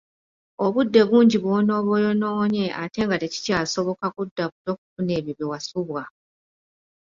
Obudde bungi bwonooba oyonoonye ate nga tekikyabosoka kudda buto kufuna ebyo bye wasubwa.